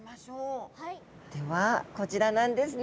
ではこちらなんですね。